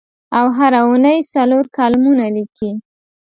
او هره اوونۍ څلور کالمونه لیکي.